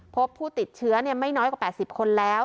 พบผู้ติดเชื้อไม่น้อยกว่า๘๐คนแล้ว